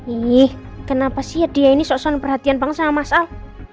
ih kenapa sih dia ini sok sokan perhatian banget sama mas al